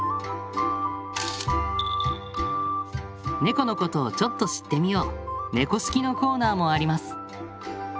ネコのことをちょっと知ってみよう「猫識」のコーナーもあります。